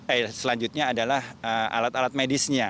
eh selanjutnya adalah alat alat medisnya